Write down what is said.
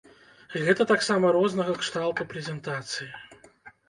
Гэта таксама рознага кшталту прэзентацыі.